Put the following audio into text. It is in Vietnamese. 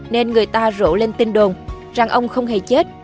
nên người ta rộ lên tin đồn rằng ông không hề chết